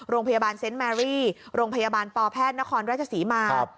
โรงพยาบาลเซนต์แมรี่โรงพยาบาลปแพทย์นครราชศรีมา